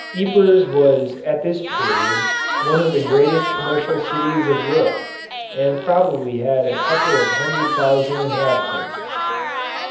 Ypres was at this period one of the greatest commercial cities of Europe, and probably had a couple of hundred thousand inhabitants.